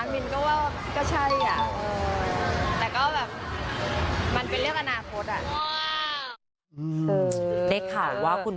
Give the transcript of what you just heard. แม่ก็เอ็นดู